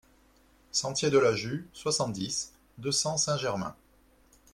Sentier de la Jus, soixante-dix, deux cents Saint-Germain